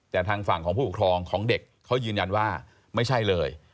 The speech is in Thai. แต่ทางฝั่งของผู้ปกครองของเด็กเขายืนยันว่าไม่ใช่เลย